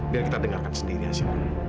biar kita dengarkan sendiri hasilnya